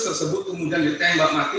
tersebut kemudian ditembak mati